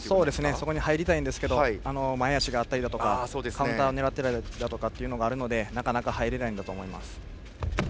そこに入りたいんですけど前足があったりだとかカウンターを狙っていたりとかがあるのでなかなか入れないんだと思います。